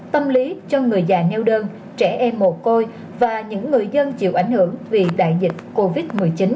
tâm lý cho người già neo đơn trẻ em mồ côi và những người dân chịu ảnh hưởng vì đại dịch covid một mươi chín